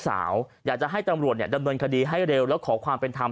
อยากจะให้ตำรวจเนี่ยดำเนินคดีให้เร็วแล้วขอความเป็นธรรม